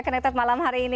konektif malam hari ini